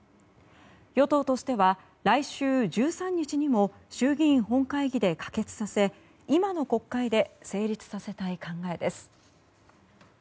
与党としては来週１３日にも衆議院本会議で可決させ今の国会で成立させたい考えです。